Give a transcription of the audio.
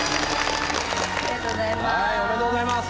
ありがとうございます。